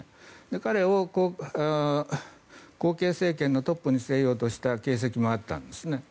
彼を後継政権のトップに据えようとした形跡もあったんですね。